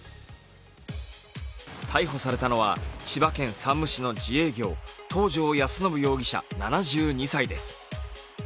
逮捕されたのは千葉県山武市の自営業、東條安伸容疑者、７２歳です